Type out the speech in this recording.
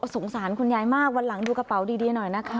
สงสารคุณยายมากวันหลังดูกระเป๋าดีหน่อยนะคะ